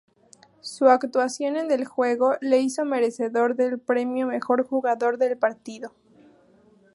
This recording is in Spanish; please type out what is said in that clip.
Su actuación en el juego le hizo merecedor del premio Mejor Jugador del Partido.